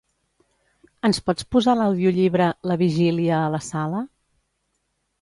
Ens pots posar l'audiollibre "La vigília a la sala"?